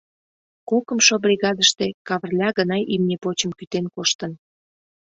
Кокымшо бригадыште Кавырля гына имне почым кӱтен коштын.